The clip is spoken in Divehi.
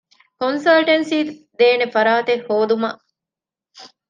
ކޮންސަލްޓެންސީދޭނެ ފަރާތެއް ހޯދުމަށް